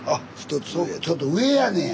ちょっと上やねや。